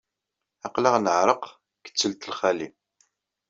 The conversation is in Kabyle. Aql-aɣ neɛreq deg ttelt lxali.